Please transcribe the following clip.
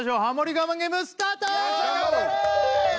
我慢ゲームスタート頑張れ！